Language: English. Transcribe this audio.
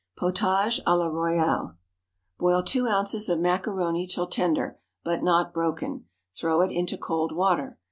Potage à la Royale. Boil two ounces of macaroni till tender, but not broken; throw it into cold water.